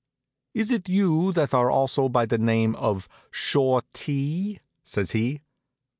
"Is it you that are also by the name of Shortee?" says he.